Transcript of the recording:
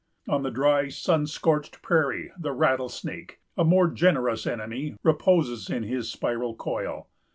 On the dry, sun scorched prairie, the rattlesnake, a more generous enemy, reposes in his spiral coil.